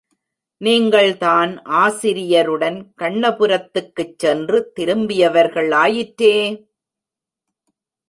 நீங்கள்தான் ஆசிரியருடன் கண்ணபுரத்துக்குச் சென்று திரும்பியவர்கள் ஆயிற்றே!